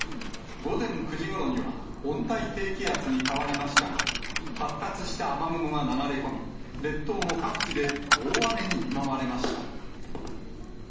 午前９時ごろには、温帯低気圧に変わりましたが、発達した雨雲が流れ込み、列島の各地で大雨に見舞われました。